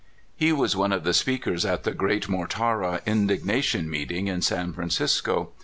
He Avas one of the speakers at the great Mortara indignation meeting in San Francisco.